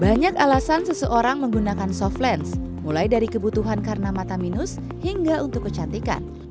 banyak alasan seseorang menggunakan soft lens mulai dari kebutuhan karena mata minus hingga untuk kecantikan